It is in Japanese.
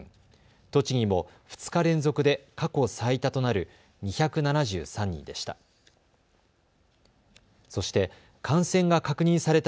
栃木も２日連続で過去最多となる２７３人でした。